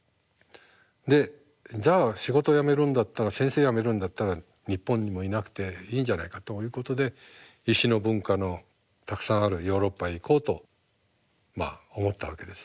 でじゃあ仕事辞めるんだったら先生辞めるんだったら日本にもいなくていいんじゃないかということで石の文化のたくさんあるヨーロッパへ行こうと思ったわけです。